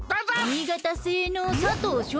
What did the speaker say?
新潟星の佐藤咲